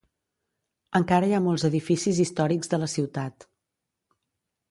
Encara hi ha molts edificis històrics de la ciutat.